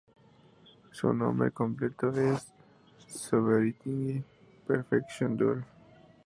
Su nombre completo es Sovereignty-Perfection-Doll.